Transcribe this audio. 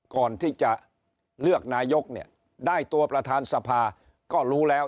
ก่อนที่จะเลือกนายกเนี่ยได้ตัวประธานสภาก็รู้แล้ว